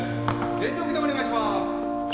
全力でお願いしまーす。